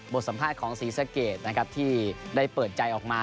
บดสัมภาษณ์ของศรีชิกเกตที่ได้เปิดใจออกมา